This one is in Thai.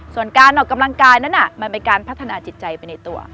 ส่วนการออกกำลังกายนั้นมันเป็นการพัฒนาจิตใจไปในตัว